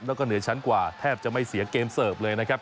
แล้วก็เหนือชั้นกว่าแทบจะไม่เสียเกมเสิร์ฟเลยนะครับ